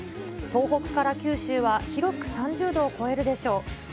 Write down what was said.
東北から九州は広く３０度を超えるでしょう。